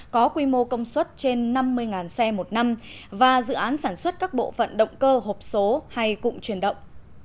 có quy mô công suất trên năm mươi xe một năm và dự án sản xuất các bộ phận động cơ hộp số hay cụm truyền động